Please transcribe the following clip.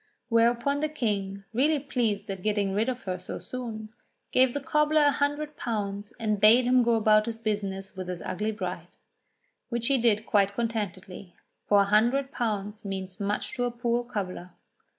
Whereupon the King, really pleased at getting rid of her so soon, gave the cobbler a hundred pounds and bade him go about his business with his ugly bride. Which he did quite contentedly, for a hundred pounds means much to a poor cobbler.